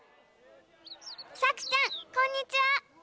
さくちゃんこんにちは！